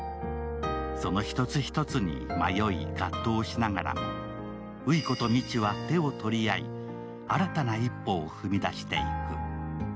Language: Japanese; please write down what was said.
その１つ１つに迷い、葛藤しながら羽衣子と道は手を取り合い、新たな一歩を踏み出していく。